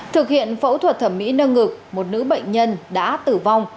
thực hiện phẫu thuật thẩm mỹ nâng ngực một nữ bệnh nhân đã tử vong